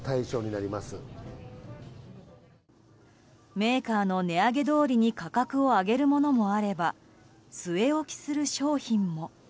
メーカーの値上げどおりに価格を上げるものもあれば据え置きする商品も。